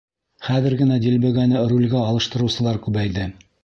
Хәҙер генә дилбегәне рулгә алыштырыусылар күбәйҙе.